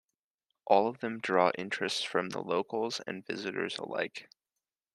All of them draw interest from the locals and visitors alike.